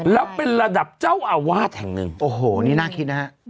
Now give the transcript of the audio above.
แล้วเป็นระดับเจ้าอาวาสแห่งหนึ่งโอ้โหนี่น่าคิดนะฮะ